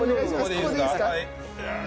ここでいいですか？